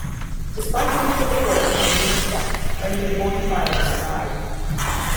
Despite initial reports of numerous deaths, only one fireman died.